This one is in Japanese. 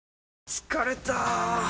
疲れた！